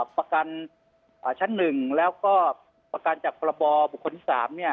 ประกันชั้น๑แล้วก็ประกันจากพรบบุคคลที่๓